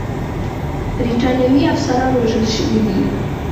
برټانوي افسران وژل شوي دي.